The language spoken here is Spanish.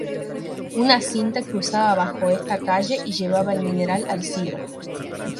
Una cinta cruzaba bajo esta calle y llevaba el mineral al silo.